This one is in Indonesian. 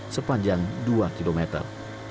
sepanjang dua kilometer